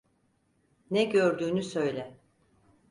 Ne gördüğünü söyle.